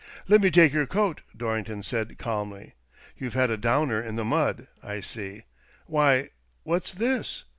"Let me take your coat," Dorrington said, calmly. "You've had a downer in the mud, I see. Why, what's this?